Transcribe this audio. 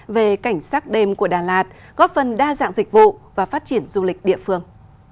về cảnh sát đêm của đà lạt góp phần đa dạng dịch vụ và phát triển du lịch địa phương